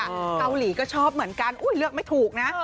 เกาหลีก็ชอบเหมือนกันอุ๊ยเลือกไม่ถูกนะ